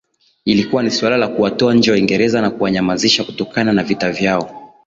Ilikuwa ni suala na kuwatoa nje Waingereza na kuwanyamanzisha kutokana na vita vyao